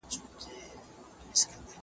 زه اوږده وخت کتابونه ليکم!.